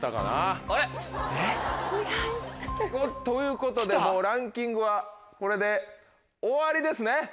ということでもうランキングはこれで終わりですね。